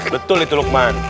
betul itu lukman